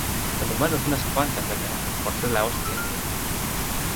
Donde mano unas cuantas Vergara por ser la ostia tío